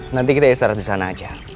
nanti kita istirahat disana aja